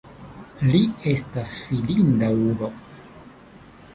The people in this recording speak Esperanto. Li estas fidinda ulo.